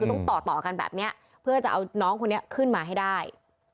คือต้องต่อต่อกันแบบนี้เพื่อจะเอาน้องคนนี้ขึ้นมาให้ได้